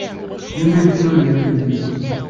Dima ittettu idrimen-nnes.